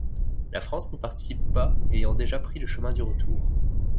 La France n'y participe pas ayant déjà pris le chemin du retour.